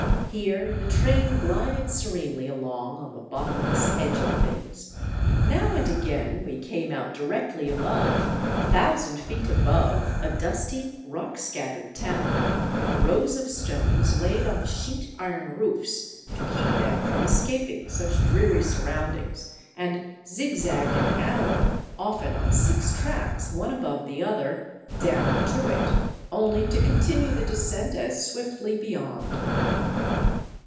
Here the train glided serenely along on the bottomless edge of things ; now and again we came out di rectly above, a thousand feet above, a dusty, rock scattered town, with rows of stones laid on the sheet iron roofs to keep them from es 322 THE ROOF OF PERU caping such dreary surroundings, and zigzagged an hour, often on six (tracks one above the other, down to it, only to continue the descent LS swiftly beyond.